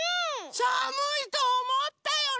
さむいとおもったよね！